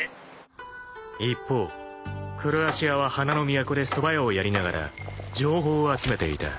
［一方黒足屋は花の都でそば屋をやりながら情報を集めていた］